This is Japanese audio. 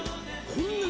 こんなに